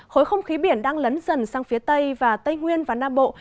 khối không khí biển đang lấn dần sang phía tây và tây nguyên và nam bộ